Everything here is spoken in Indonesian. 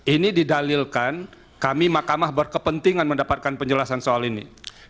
ini didalilkan kami mahkamah berkepentingan mendapatkan penjelasan soal ini